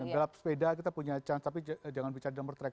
gelap sepeda kita punya chan tapi jangan bicara nomor track